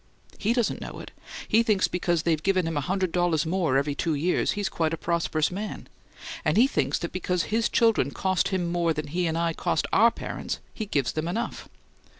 He doesn't know it; he thinks because they've given him a hundred dollars more every two years he's quite a prosperous man! And he thinks that because his children cost him more than he and I cost our parents he gives them enough!"